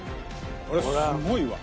これすごいわ。